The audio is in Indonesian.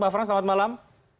pak frans selamat malam